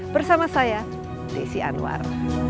bersama saya desi anwar